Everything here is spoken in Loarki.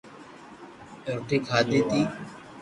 روٽي کاڌي تي